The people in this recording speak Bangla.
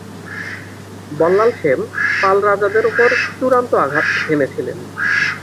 বল্লাল সেন পাল রাজাদের উপর চূড়ান্ত আঘাত হেনেছিলেন।